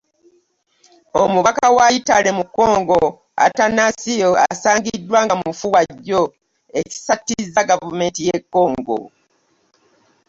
Omubaka wa Yitale mu Congo Attanasio asangidddwa nga mufunwa jjo ekisattizza gavumenti ya Congo.